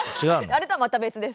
あれとはまた別です。